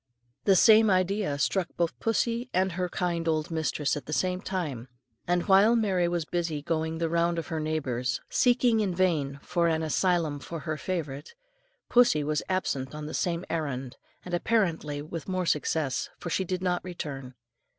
The same idea struck both pussy and her kind old mistress at the same time, and while Mary was busy going the round of her neighbours, seeking in vain for an asylum for her favourite, pussy was absent on the same errand, and apparently with more success, for she did not return.